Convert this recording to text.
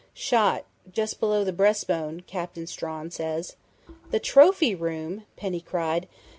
Shot just below the breastbone, Captain Strawn says." "The trophy room!" Penny cried.